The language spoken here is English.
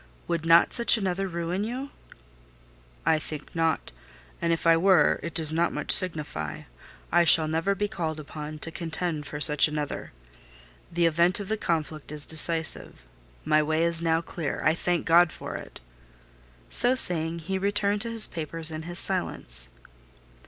Would not such another ruin you?" "I think not; and if I were, it does not much signify; I shall never be called upon to contend for such another. The event of the conflict is decisive: my way is now clear; I thank God for it!" So saying, he returned to his papers and his silence.